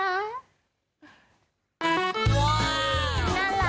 น่ารักไหมล่ะ